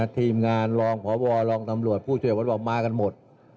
ทีมงานพบพตำรวจผู้ช่วยพบมากันหมด